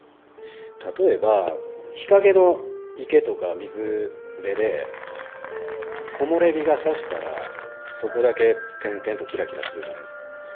例えば日陰の池とか水辺で木漏れ日がさしたらそこだけ点々とキラキラするじゃないですか。